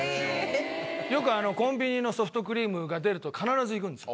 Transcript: よくコンビニのソフトクリームが出ると必ず行くんです。